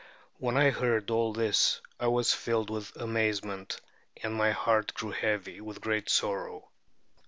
When I heard all this I was filled with amazement, and my heart grew heavy with great sorrow.